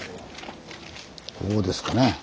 ここですかね。